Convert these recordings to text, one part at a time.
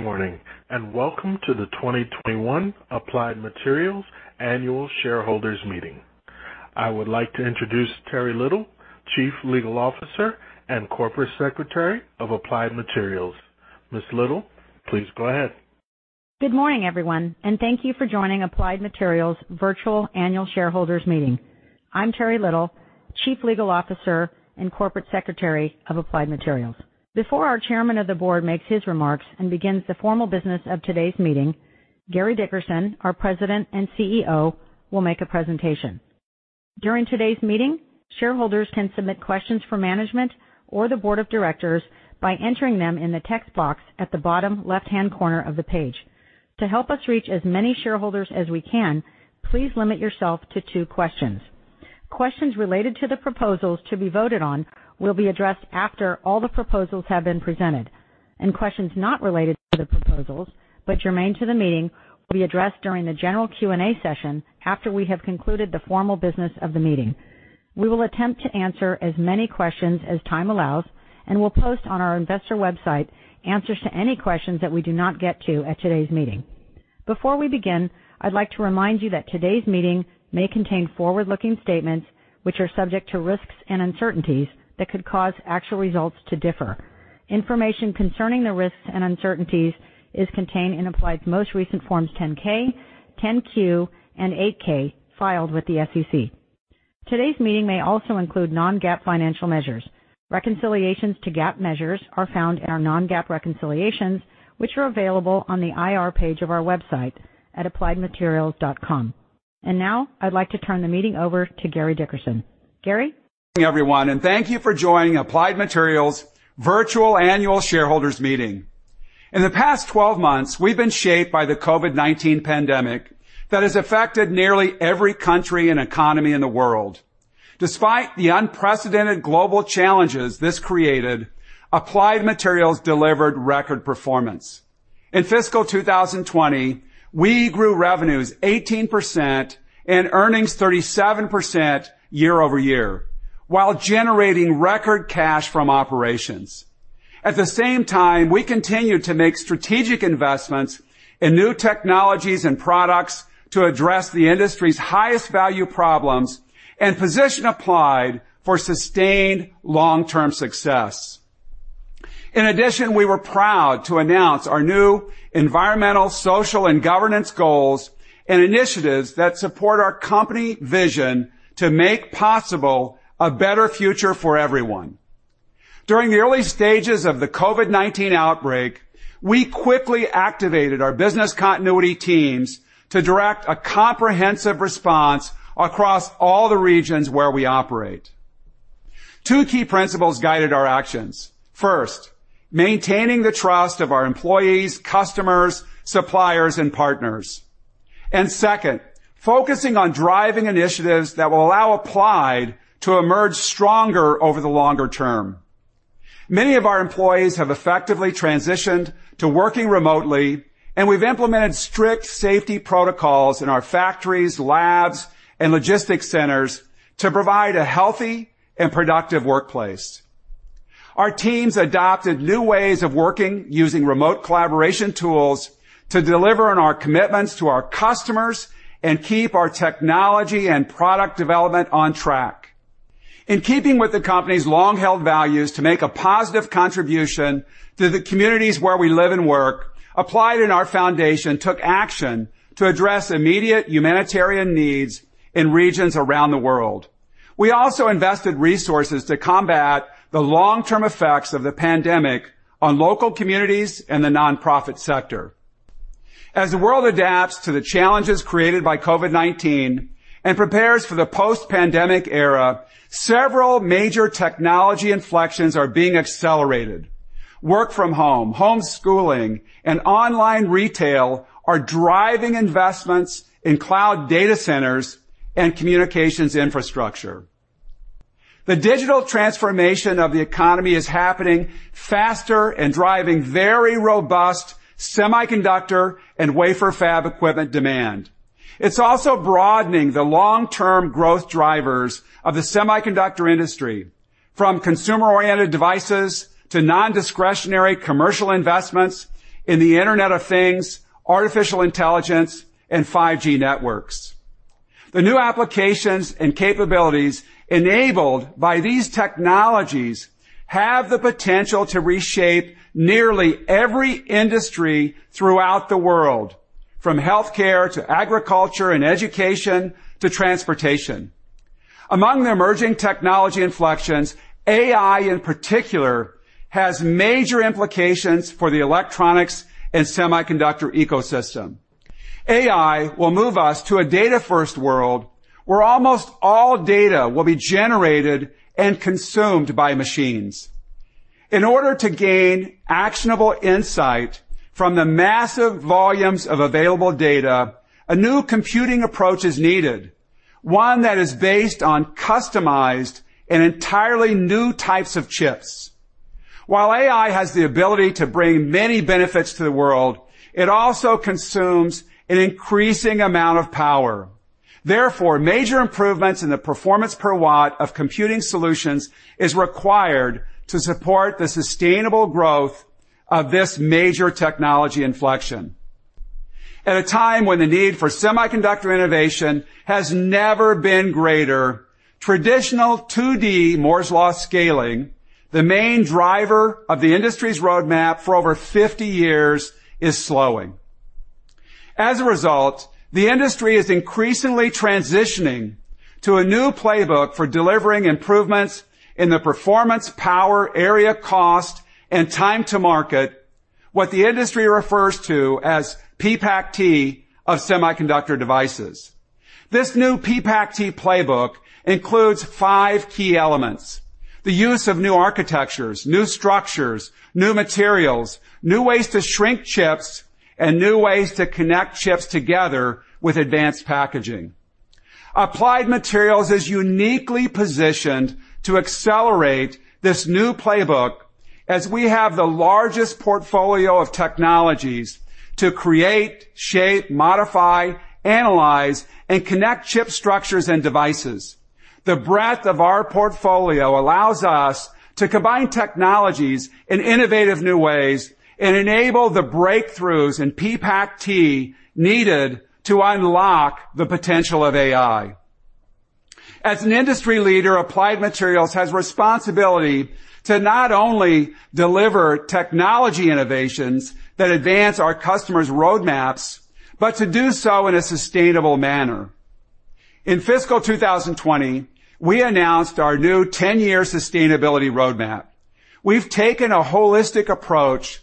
Morning. Welcome to the 2021 Applied Materials Annual Shareholders Meeting. I would like to introduce Teri Little, Chief Legal Officer and Corporate Secretary of Applied Materials. Ms. Little, please go ahead. Good morning, everyone, and thank you for joining Applied Materials' Virtual Annual Shareholders Meeting. I'm Teri Little, Chief Legal Officer and Corporate Secretary of Applied Materials. Before our Chairman of the Board makes his remarks and begins the formal business of today's meeting, Gary Dickerson, our President and CEO, will make a presentation. During today's meeting, shareholders can submit questions for management or the Board of Directors by entering them in the text box at the bottom left-hand corner of the page. To help us reach as many shareholders as we can, please limit yourself to two questions. Questions related to the proposals to be voted on will be addressed after all the proposals have been presented, and questions not related to the proposals, but germane to the meeting, will be addressed during the general Q&A session after we have concluded the formal business of the meeting. We will attempt to answer as many questions as time allows and will post on our investor website answers to any questions that we do not get to at today's meeting. Before we begin, I'd like to remind you that today's meeting may contain forward-looking statements, which are subject to risks and uncertainties that could cause actual results to differ. Information concerning the risks and uncertainties is contained in Applied's most recent forms 10-K, 10-Q, and 8-K filed with the SEC. Today's meeting may also include non-GAAP financial measures. Reconciliations to GAAP measures are found in our non-GAAP reconciliations, which are available on the IR page of our website at appliedmaterials.com. Now I'd like to turn the meeting over to Gary Dickerson. Gary? Everyone, and thank you for joining Applied Materials' Virtual Annual Shareholders Meeting. In the past 12 months, we've been shaped by the COVID-19 pandemic that has affected nearly every country and economy in the world. Despite the unprecedented global challenges this created, Applied Materials delivered record performance. In fiscal 2020, we grew revenues 18% and earnings 37% year-over-year while generating record cash from operations. At the same time, we continued to make strategic investments in new technologies and products to address the industry's highest value problems and position Applied for sustained long-term success. In addition, we were proud to announce our new environmental, social, and governance goals and initiatives that support our company vision to make possible a better future for everyone. During the early stages of the COVID-19 outbreak, we quickly activated our business continuity teams to direct a comprehensive response across all the regions where we operate. Two key principles guided our actions. First, maintaining the trust of our employees, customers, suppliers, and partners. Second, focusing on driving initiatives that will allow Applied to emerge stronger over the longer term. Many of our employees have effectively transitioned to working remotely, and we've implemented strict safety protocols in our factories, labs, and logistics centers to provide a healthy and productive workplace. Our teams adopted new ways of working using remote collaboration tools to deliver on our commitments to our customers and keep our technology and product development on track. In keeping with the company's long-held values to make a positive contribution to the communities where we live and work, Applied and our foundation took action to address immediate humanitarian needs in regions around the world. We also invested resources to combat the long-term effects of the pandemic on local communities and the nonprofit sector. As the world adapts to the challenges created by COVID-19 and prepares for the post-pandemic era, several major technology inflections are being accelerated. Work-from-home, homeschooling, and online retail are driving investments in cloud data centers and communications infrastructure. The digital transformation of the economy is happening faster and driving very robust semiconductor and wafer fab equipment demand. It's also broadening the long-term growth drivers of the semiconductor industry, from consumer-oriented devices to non-discretionary commercial investments in the Internet of Things, artificial intelligence, and 5G networks. The new applications and capabilities enabled by these technologies have the potential to reshape nearly every industry throughout the world, from healthcare to agriculture and education to transportation. Among the emerging technology inflections, AI in particular has major implications for the electronics and semiconductor ecosystem. AI will move us to a data-first world where almost all data will be generated and consumed by machines. In order to gain actionable insight from the massive volumes of available data, a new computing approach is needed, one that is based on customized and entirely new types of chips. While AI has the ability to bring many benefits to the world, it also consumes an increasing amount of power. Therefore, major improvements in the performance per watt of computing solutions is required to support the sustainable growth of this major technology inflection. At a time when the need for semiconductor innovation has never been greater, traditional 2D Moore's law scaling, the main driver of the industry's roadmap for over 50 years, is slowing. As a result, the industry is increasingly transitioning to a new playbook for delivering improvements in the performance, power, area cost, and time to market, what the industry refers to as PPAC-T of semiconductor devices. This new PPAC-T playbook includes five key elements, the use of new architectures, new structures, new materials, new ways to shrink chips, and new ways to connect chips together with advanced packaging. Applied Materials is uniquely positioned to accelerate this new playbook, as we have the largest portfolio of technologies to create, shape, modify, analyze, and connect chip structures and devices. The breadth of our portfolio allows us to combine technologies in innovative new ways and enable the breakthroughs in PPAC-T needed to unlock the potential of AI. As an industry leader, Applied Materials has responsibility to not only deliver technology innovations that advance our customers' roadmaps, but to do so in a sustainable manner. In fiscal 2020, we announced our new 10-year sustainability roadmap. We've taken a holistic approach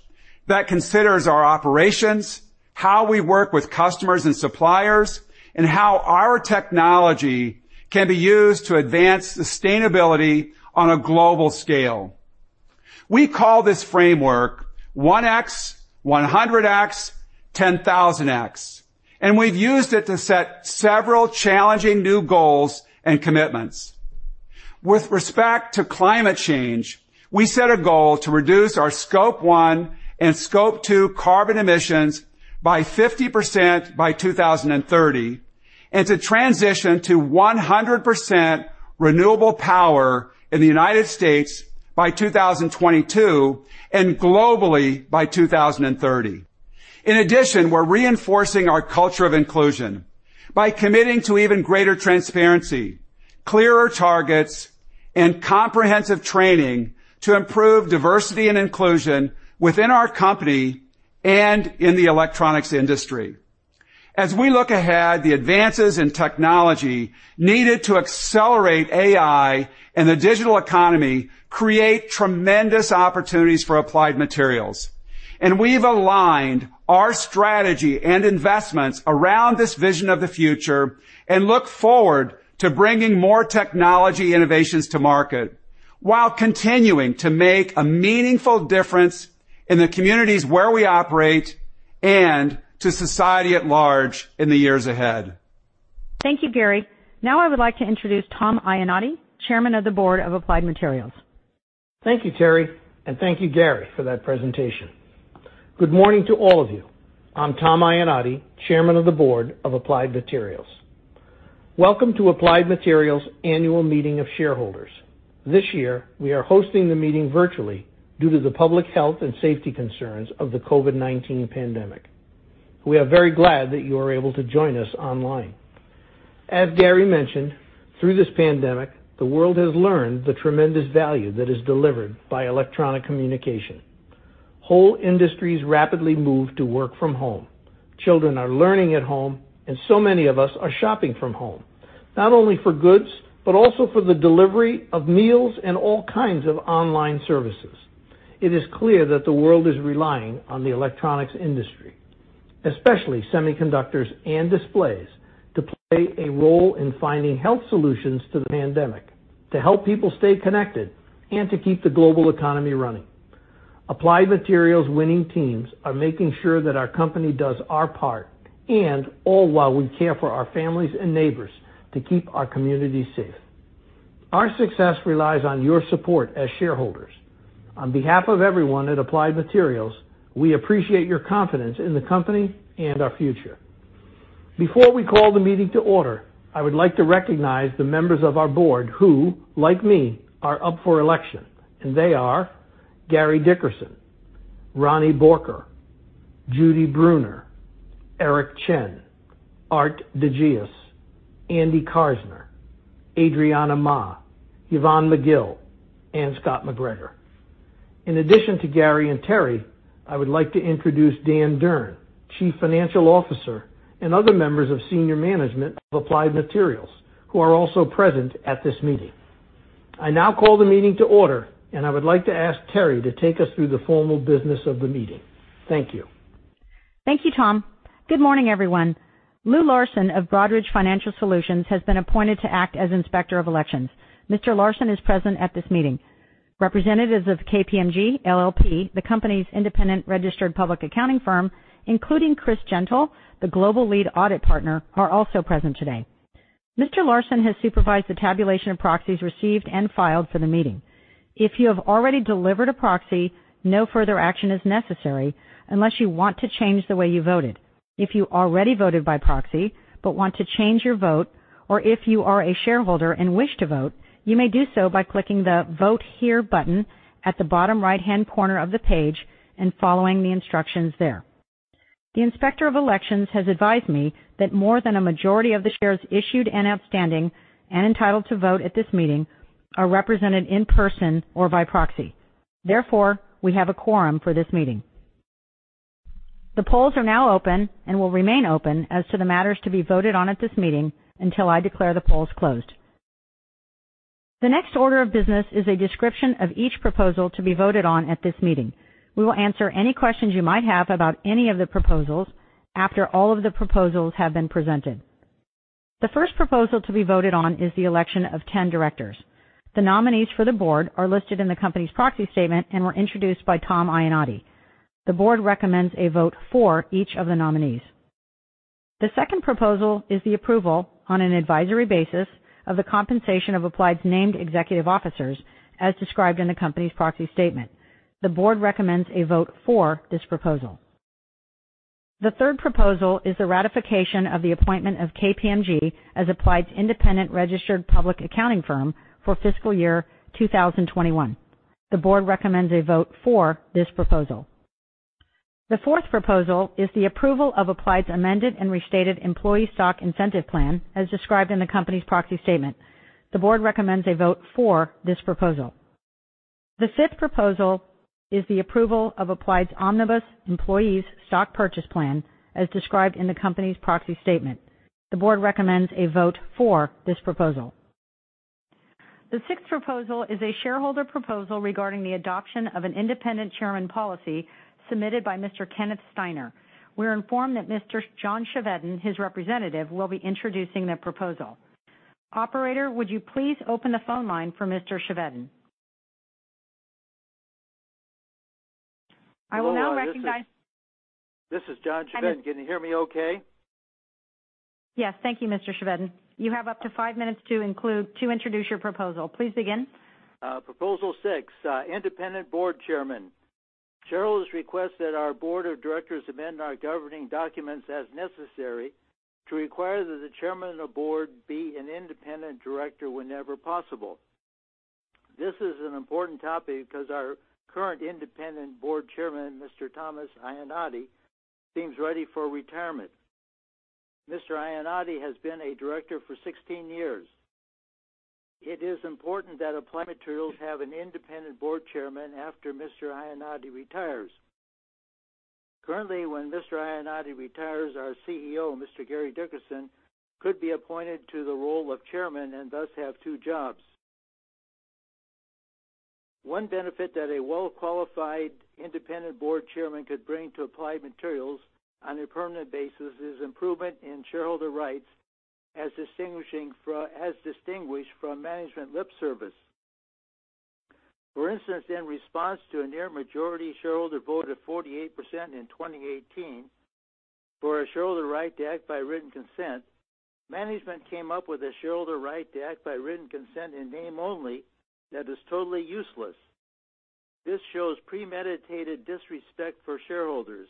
that considers our operations, how we work with customers and suppliers, and how our technology can be used to advance sustainability on a global scale. We call this framework 1X, 100X, 10,000X, and we've used it to set several challenging new goals and commitments. With respect to climate change, we set a goal to reduce our Scope 1 and Scope 2 carbon emissions by 50% by 2030, and to transition to 100% renewable power in the United States by 2022, and globally by 2030. We're reinforcing our culture of inclusion by committing to even greater transparency, clearer targets, and comprehensive training to improve diversity and inclusion within our company and in the electronics industry. As we look ahead, the advances in technology needed to accelerate AI and the digital economy create tremendous opportunities for Applied Materials, and we've aligned our strategy and investments around this vision of the future and look forward to bringing more technology innovations to market while continuing to make a meaningful difference in the communities where we operate and to society at large in the years ahead. Thank you, Gary. Now I would like to introduce Tom Iannotti, Chairman of the Board of Applied Materials. Thank you, Teri, and thank you, Gary, for that presentation. Good morning to all of you. I'm Tom Iannotti, Chairman of the Board of Applied Materials. Welcome to Applied Materials' Annual Meeting of Shareholders. This year, we are hosting the meeting virtually due to the public health and safety concerns of the COVID-19 pandemic. We are very glad that you are able to join us online. As Gary mentioned, through this pandemic, the world has learned the tremendous value that is delivered by electronic communication. Whole industries rapidly moved to work from home. Children are learning at home, and so many of us are shopping from home, not only for goods, but also for the delivery of meals and all kinds of online services. It is clear that the world is relying on the electronics industry, especially semiconductors and displays, to play a role in finding health solutions to the pandemic, to help people stay connected, and to keep the global economy running. Applied Materials' winning teams are making sure that our company does our part, and all while we care for our families and neighbors to keep our communities safe. Our success relies on your support as shareholders. On behalf of everyone at Applied Materials, we appreciate your confidence in the company and our future. Before we call the meeting to order, I would like to recognize the members of our board who, like me, are up for election, and they are Gary Dickerson, Rani Borkar, Judy Bruner, Eric Chen, Aart de Geus, Andy Karsner, Adrianna Ma, Yvonne McGill, and Scott McGregor. In addition to Gary and Teri, I would like to introduce Dan Durn, Chief Financial Officer, and other members of senior management of Applied Materials who are also present at this meeting. I now call the meeting to order, and I would like to ask Teri to take us through the formal business of the meeting. Thank you. Thank you, Tom. Good morning, everyone. Lou Larson of Broadridge Financial Solutions has been appointed to act as Inspector of Elections. Mr. Larson is present at this meeting. Representatives of KPMG LLP, the company's independent registered public accounting firm, including Chris Gentle, the Global Lead Audit Partner, are also present today. Mr. Larson has supervised the tabulation of proxies received and filed for the meeting. If you have already delivered a proxy, no further action is necessary unless you want to change the way you voted. If you already voted by proxy but want to change your vote, or if you are a shareholder and wish to vote, you may do so by clicking the Vote Here button at the bottom right-hand corner of the page and following the instructions there. The Inspector of Elections has advised me that more than a majority of the shares issued and outstanding and entitled to vote at this meeting are represented in person or by proxy. We have a quorum for this meeting. The polls are now open and will remain open as to the matters to be voted on at this meeting until I declare the polls closed. The next order of business is a description of each proposal to be voted on at this meeting. We will answer any questions you might have about any of the proposals after all of the proposals have been presented. The first proposal to be voted on is the election of 10 directors. The nominees for the board are listed in the company's proxy statement and were introduced by Tom Iannotti. The board recommends a vote for each of the nominees. The second proposal is the approval on an advisory basis of the compensation of Applied's named executive officers, as described in the company's proxy statement. The board recommends a vote for this proposal. The third proposal is the ratification of the appointment of KPMG as Applied's independent registered public accounting firm for fiscal year 2021. The board recommends a vote for this proposal. The fourth proposal is the approval of Applied's amended and restated employee stock incentive plan, as described in the company's proxy statement. The board recommends a vote for this proposal. The fifth proposal is the approval of Applied's omnibus employees' stock purchase plan, as described in the company's proxy statement. The board recommends a vote for this proposal. The sixth proposal is a shareholder proposal regarding the adoption of an independent chairman policy submitted by Mr. Kenneth Steiner. We're informed that Mr. John Chevedden, his representative, will be introducing the proposal. Operator, would you please open the phone line for Mr. Chevedden? I will now recognize. Hello, this is John Chevedden. Can you hear me okay? Yes. Thank you, Mr. Chevedden. You have up to five minutes to introduce your proposal. Please begin. Proposal six, Independent Board Chairman. Shareholders request that our Board of Directors amend our governing documents as necessary to require that the Chairman of the Board be an independent director whenever possible. This is an important topic because our current Independent Board Chairman, Mr. Thomas Iannotti, seems ready for retirement. Mr. Iannotti has been a director for 16 years. It is important that Applied Materials have an Independent Board Chairman after Mr. Iannotti retires. Currently, when Mr. Iannotti retires, our CEO, Mr. Gary Dickerson, could be appointed to the role of Chairman and thus have two jobs. One benefit that a well-qualified Independent Board Chairman could bring to Applied Materials on a permanent basis is improvement in shareholder rights, as distinguished from management lip service. For instance, in response to a near majority shareholder vote of 48% in 2018 for a shareholder right to act by written consent, management came up with a shareholder right to act by written consent in name only that is totally useless. This shows premeditated disrespect for shareholders,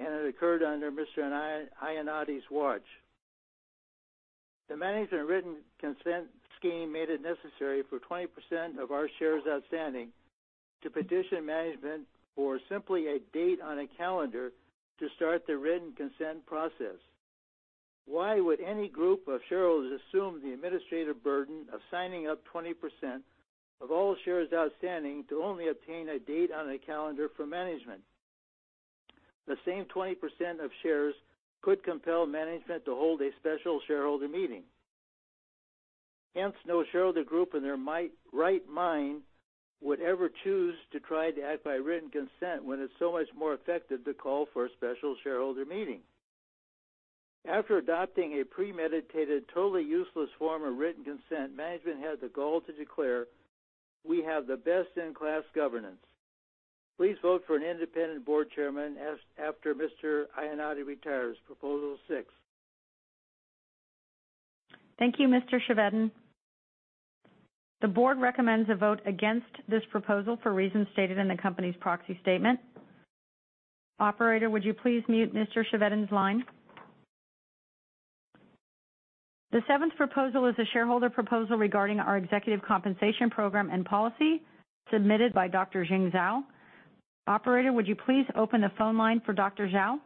and it occurred under Mr. Iannotti's watch. The management written consent scheme made it necessary for 20% of our shares outstanding to petition management for simply a date on a calendar to start the written consent process. Why would any group of shareholders assume the administrative burden of signing up 20% of all shares outstanding to only obtain a date on a calendar for management? The same 20% of shares could compel management to hold a special shareholder meeting. No shareholder group in their right mind would ever choose to try to act by written consent when it's so much more effective to call for a special shareholder meeting. After adopting a premeditated, totally useless form of written consent, management had the gall to declare, "We have the best-in-class governance." Please vote for an Independent Board Chairman after Mr. Iannotti retires. Proposal six. Thank you, Mr. Chevedden. The board recommends a vote against this proposal for reasons stated in the company's proxy statement. Operator, would you please mute Mr. Chevedden's line? The seventh proposal is a shareholder proposal regarding our Executive Compensation Program and Policy submitted by Dr. Jing Zhao. Operator, would you please open the phone line for Dr. Zhao?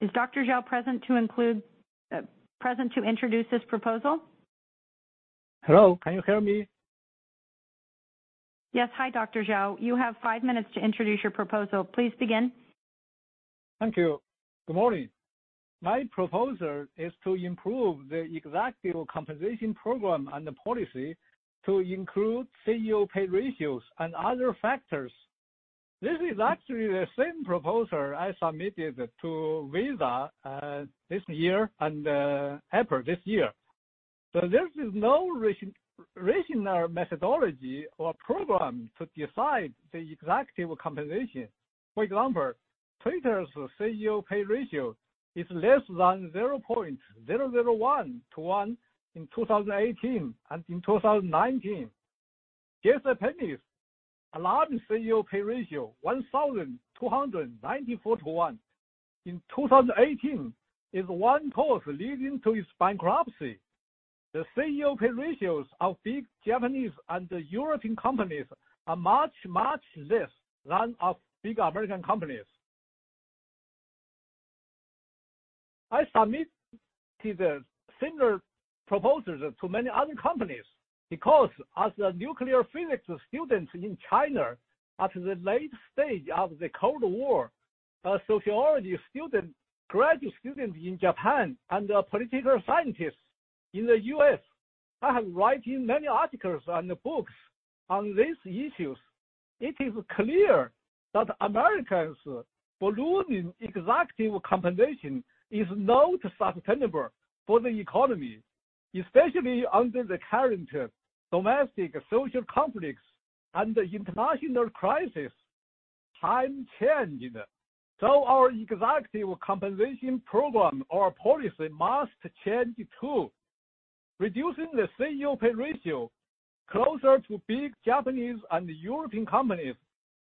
Is Dr. Zhao present to introduce this proposal? Hello, can you hear me? Yes. Hi, Dr. Zhao. You have five minutes to introduce your proposal. Please begin. Thank you. Good morning. My proposal is to improve the executive compensation program and the policy to include CEO pay ratios and other factors. This is actually the same proposal I submitted to Visa this year and Apple this year. This is no regional methodology or program to decide the executive compensation. For example, Twitter's CEO pay ratio is less than 0.001:1 in 2018 and in 2019. J.C. Penney's alarming CEO pay ratio, 1,294:1 in 2018, is one cause leading to its bankruptcy. The CEO pay ratios of big Japanese and European companies are much, much less than of big American companies. I submitted similar proposals to many other companies because as a nuclear physics student in China at the late stage of the Cold War, a sociology student, graduate student in Japan, and a political scientist in the U.S., I have written many articles and books on these issues. It is clear that Americans' ballooning executive compensation is not sustainable for the economy, especially under the current domestic social conflicts and international crisis. Times change, so our executive compensation program or policy must change, too. Reducing the CEO pay ratio closer to big Japanese and European companies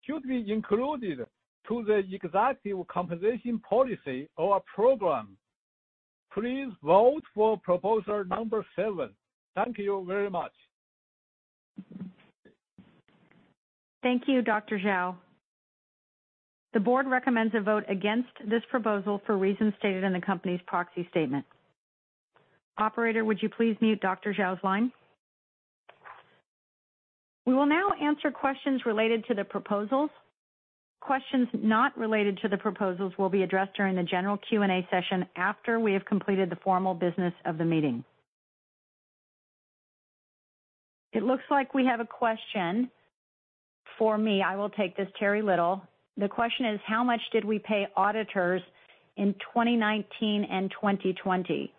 should be included to the executive compensation policy or program. Please vote for proposal number seven. Thank you very much. Thank you, Dr. Zhao. The board recommends a vote against this proposal for reasons stated in the company's proxy statement. Operator, would you please mute Dr. Zhao's line? We will now answer questions related to the proposals. Questions not related to the proposals will be addressed during the general Q&A session after we have completed the formal business of the meeting. It looks like we have a question for me. I will take this, Teri Little. The question is, how much did we pay auditors in 2019 and 2020?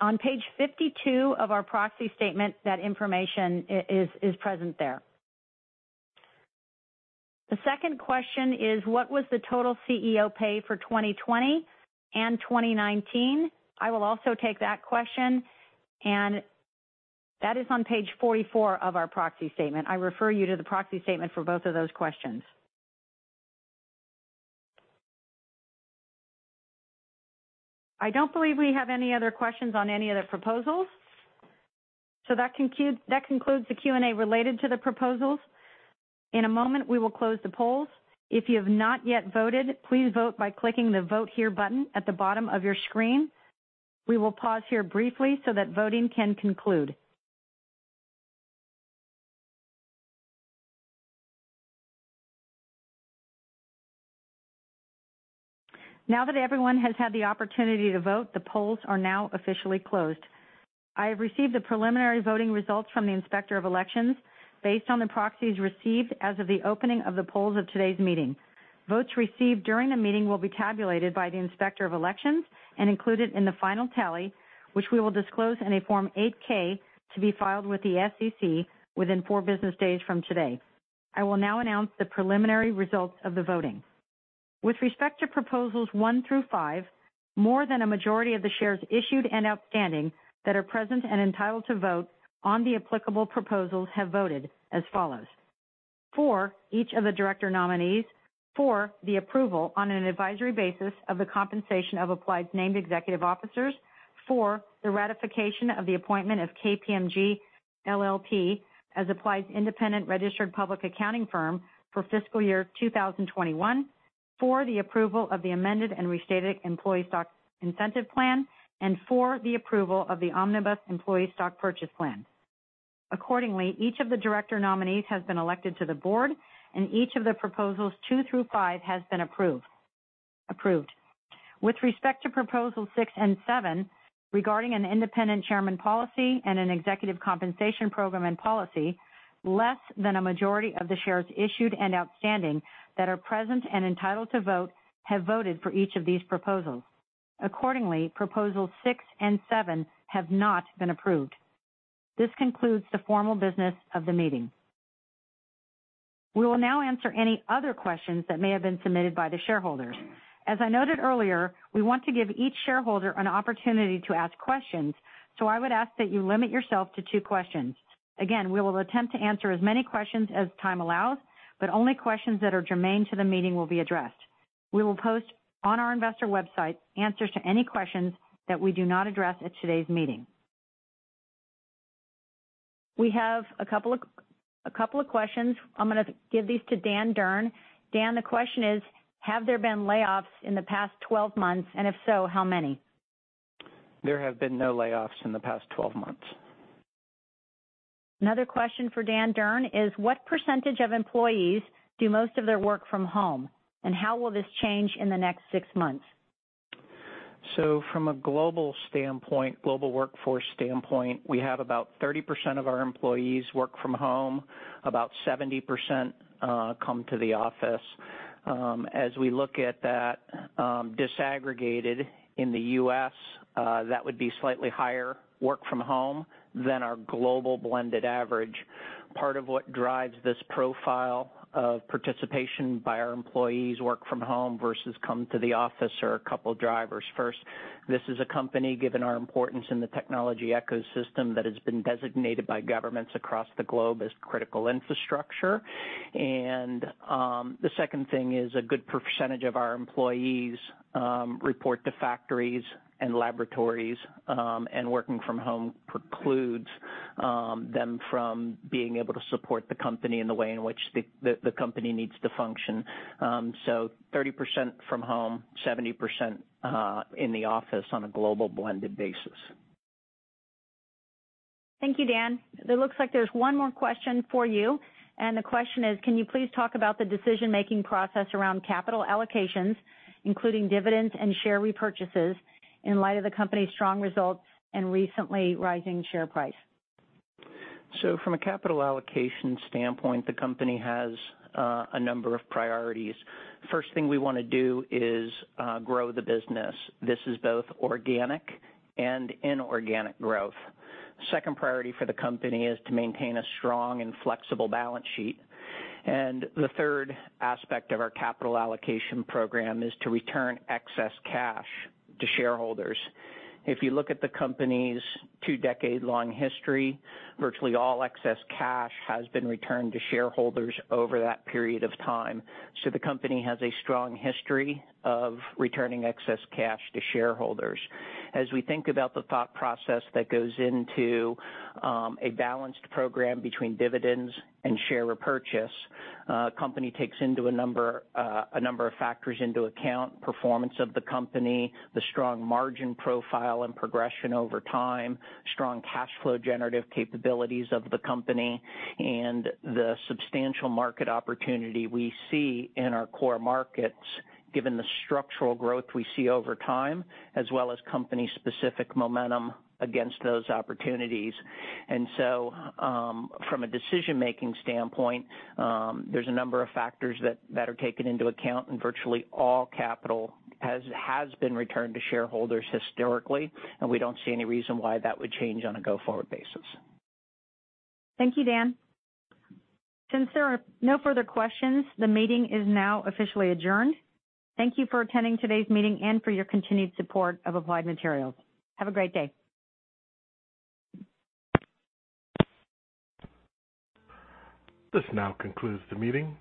On page 52 of our proxy statement, that information is present there. The second question is, what was the total CEO pay for 2020 and 2019? I will also take that question, and that is on page 44 of our proxy statement. I refer you to the proxy statement for both of those questions. I don't believe we have any other questions on any of the proposals. That concludes the Q&A related to the proposals. In a moment, we will close the polls. If you have not yet voted, please vote by clicking the Vote Here button at the bottom of your screen. We will pause here briefly so that voting can conclude. Now that everyone has had the opportunity to vote, the polls are now officially closed. I have received the preliminary voting results from the Inspector of Elections based on the proxies received as of the opening of the polls of today's meeting. Votes received during the meeting will be tabulated by the Inspector of Elections and included in the final tally, which we will disclose in a Form 8-K to be filed with the SEC within four business days from today. I will now announce the preliminary results of the voting. With respect to Proposals one through five, more than a majority of the shares issued and outstanding that are present and entitled to vote on the applicable proposals have voted as follows. For each of the Director nominees, for the approval on an advisory basis of the compensation of Applied's named executive officers, for the ratification of the appointment of KPMG LLP as Applied's independent registered public accounting firm for fiscal year 2021, for the approval of the amended and restated employee stock incentive plan, and for the approval of the omnibus employee stock purchase plan. Accordingly, each of the director nominees has been elected to the board, and each of the Proposals two through five has been approved. With respect to Proposals six and seven, regarding an independent chairman policy and an executive compensation program and policy, less than a majority of the shares issued and outstanding that are present and entitled to vote have voted for each of these proposals. Accordingly, Proposals six and seven have not been approved. This concludes the formal business of the meeting. We will now answer any other questions that may have been submitted by the shareholders. As I noted earlier, we want to give each shareholder an opportunity to ask questions, so I would ask that you limit yourself to two questions. Again, we will attempt to answer as many questions as time allows, but only questions that are germane to the meeting will be addressed. We will post on our investor website answers to any questions that we do not address at today's meeting. We have a couple of questions. I'm going to give these to Dan Durn. Dan, the question is, have there been layoffs in the past 12 months, and if so, how many? There have been no layoffs in the past 12 months. Another question for Dan Durn is, what percentage of employees do most of their work from home, and how will this change in the next six months? From a global standpoint, global workforce standpoint, we have about 30% of our employees work from home. About 70% come to the office. As we look at that disaggregated in the U.S., that would be slightly higher work from home than our global blended average. Part of what drives this profile of participation by our employees work from home versus come to the office are a couple of drivers. First, this is a company, given our importance in the technology ecosystem, that has been designated by governments across the globe as critical infrastructure. The second thing is a good percentage of our employees report to factories and laboratories, and working from home precludes them from being able to support the company in the way in which the company needs to function. 30% from home, 70% in the office on a global blended basis. Thank you, Dan. It looks like there's one more question for you, and the question is: Can you please talk about the decision-making process around capital allocations, including dividends and share repurchases, in light of the company's strong results and recently rising share price? From a capital allocation standpoint, the company has a number of priorities. First thing we want to do is grow the business. This is both organic and inorganic growth. Second priority for the company is to maintain a strong and flexible balance sheet. The third aspect of our capital allocation program is to return excess cash to shareholders. If you look at the company's two-decade-long history, virtually all excess cash has been returned to shareholders over that period of time. The company has a strong history of returning excess cash to shareholders. As we think about the thought process that goes into a balanced program between dividends and share repurchase, company takes a number of factors into account, performance of the company, the strong margin profile and progression over time, strong cash flow generative capabilities of the company, and the substantial market opportunity we see in our core markets, given the structural growth we see over time, as well as company specific momentum against those opportunities. From a decision-making standpoint, there's a number of factors that are taken into account and virtually all capital has been returned to shareholders historically, and we don't see any reason why that would change on a go-forward basis. Thank you, Dan. Since there are no further questions, the meeting is now officially adjourned. Thank you for attending today's meeting and for your continued support of Applied Materials. Have a great day. This now concludes the meeting.